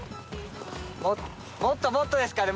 もっともっとですかね？